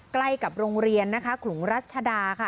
ใกล้กับโรงเรียนนะคะขลุงรัชดาค่ะ